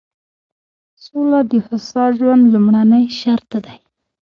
سوله د هوسا ژوند لومړنی شرط دی.